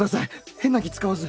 変な気使わず。